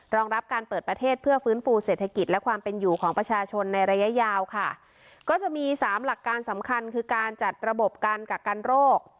รองรับการเปิดประเทศเพื่อฟื้นฟูเศรษฐกิจและความเป็นอยู่ของประชาชนในระยะยาวค่ะก็จะมีสามหลักการสำคัญคือการจัดระบบการกักกันโรค